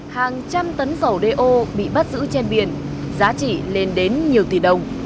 hàng trăm tấn dầu đê ô bị bắt giữ trên biển giá trị lên đến nhiều tỷ đồng